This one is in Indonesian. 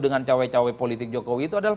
dengan cawe cawe politik jokowi itu adalah